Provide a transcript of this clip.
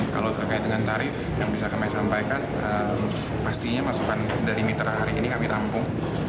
kalau terkait dengan tarif yang bisa kami sampaikan pastinya masukan dari mitra hari ini kami rampung